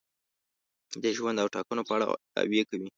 د ژوند او ټاکنو په اړه دعوې کوي.